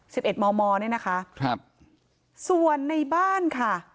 สิบเอ็ดมอมอเนี่ยนะคะครับส่วนในบ้านค่ะ